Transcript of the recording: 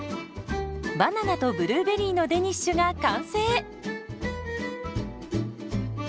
バナナとブルーベリーのデニッシュが完成。